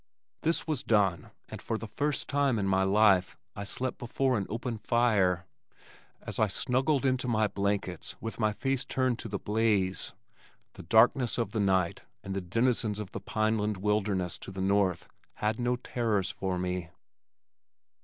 This was done, and for the first time in my life, I slept before an open fire. As I snuggled into my blankets with my face turned to the blaze, the darkness of the night and the denizens of the pineland wilderness to the north had no terrors for me.